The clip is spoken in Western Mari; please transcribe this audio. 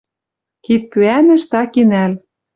Кидпӱӓнӹш таки нӓл».